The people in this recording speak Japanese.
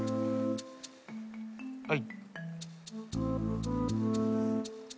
はい。